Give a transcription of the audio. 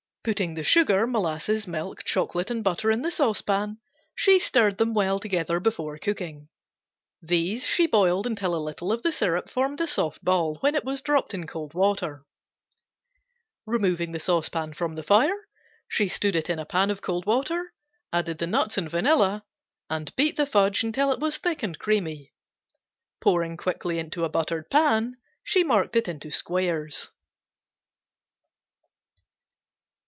Putting the sugar, molasses, milk, chocolate and butter in the saucepan, she stirred them well together before cooking. These she boiled until a little of the syrup formed a soft ball when it was dropped in cold water. Removing the saucepan from the fire, she stood it in a pan of cold water, added the nuts and vanilla and beat the fudge until it was thick and creamy. Pouring quickly into a buttered pan she marked it into squares.